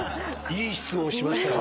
いい質問しましたよ。